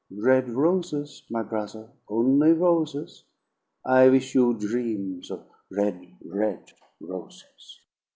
"Red roses, my brother, only roses. I wish you dreams of red, red roses!"